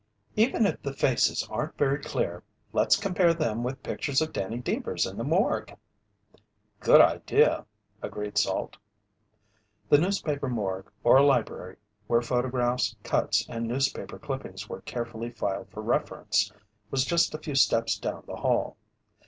"Even if the faces aren't very clear, let's compare them with pictures of Danny Deevers in the morgue." "Good idea," agreed Salt. The newspaper morgue or library where photographs, cuts and newspaper clippings were carefully filed for reference, was just a few steps down the hall.